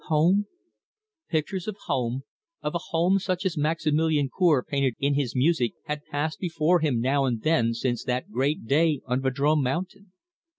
Home? Pictures of home, of a home such as Maximilian Cour painted in his music, had passed before him now and then since that great day on Vadrome Mountain.